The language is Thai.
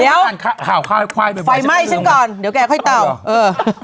ห่าวข้าวให้ความไฟไหม้ชิไฟไหม้ชินก่อนเดี๋ยวแกค่อยเต่าเออ